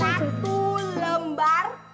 lima puluh ribu